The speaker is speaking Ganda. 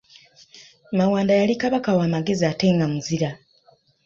Mawanda yali Kabaka wa magezi ate nga muzira.